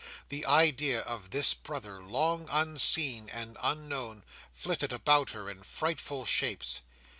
The idea of this brother, long unseen and unknown, flitted about her in frightful shapes.